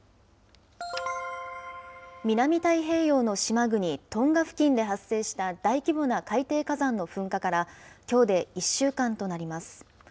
南太平洋の島国、トンガ付近で発生した大規模な海底火山の噴火からきょうで１週間となります。